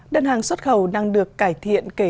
đơn hàng xuất khẩu đang được cải thiện